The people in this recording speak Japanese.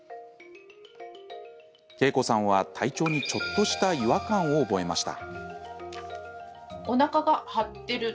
けいこさんは、体調にちょっとした違和感を覚えました。